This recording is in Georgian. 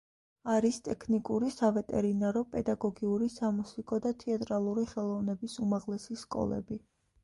არის ტექნიკური, სავეტერინარო, პედაგოგიური, სამუსიკო და თეატრალური ხელოვნების უმაღლესი სკოლები.